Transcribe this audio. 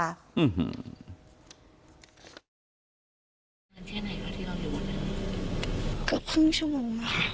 เมื่อกันที่ไหนค่ะที่เราอยู่บนนั้นก็ครึ่งชั่วโมงค่ะ